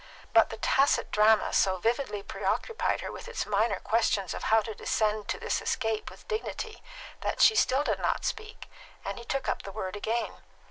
But the tacit drama so vividly preoccupied her with its minor questions of how to descend to this escape with dignity that still she did not speak, and he took up the word again.